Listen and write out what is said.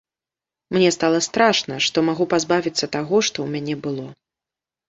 Мне стала страшна, што магу пазбавіцца таго, што ў мяне было.